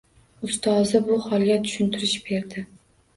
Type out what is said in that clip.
Ustozi bu holga tushuntirish berdi